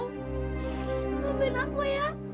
ngapain aku ya